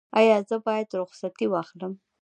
ایا زه باید رخصتي واخلم؟